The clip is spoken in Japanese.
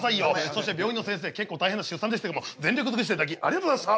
そして病院のせんせい結構大変な出産でしたけども全力尽くしていただきありがとうございました。